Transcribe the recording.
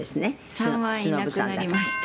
３はいなくなりました。